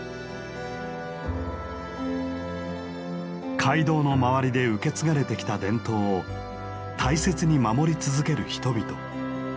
街道の周りで受け継がれてきた伝統を大切に守り続ける人々。